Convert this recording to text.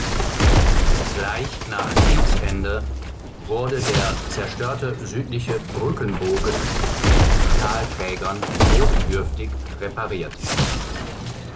Gleich nach Kriegsende wurde der zerstörte südliche Brückenbogen mit Stahlträgern notdürftig repariert.